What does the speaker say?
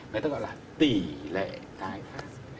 nó tên gọi là tỷ lệ tái phát